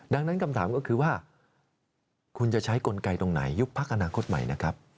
ดังนั้นคำถามก็คือว่าคุณจะใช้กลไกตรงไหนยุบพักอนาคตใหม่นะครับ